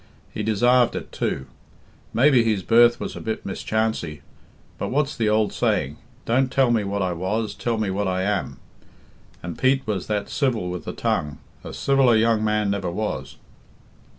He desarved it, too. Maybe his birth was a bit mischancy, but what's the ould saying, 'Don't tell me what I was, tell me what I am.' And Pete was that civil with the tongue a civiller young man never was."